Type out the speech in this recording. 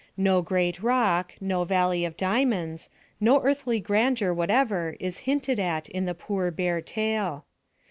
No great roc, no valley of diamonds, no earthly grandeur whatever is hinted at in the poor bare tale.